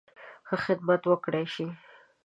ښه خدمت وکړای شي.